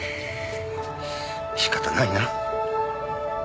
仕方ないな。